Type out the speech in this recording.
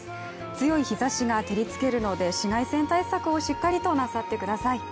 強い日ざしが照りつけるので、紫外線対策をしっかりとなさってください。